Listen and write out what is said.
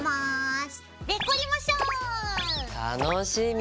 楽しみ。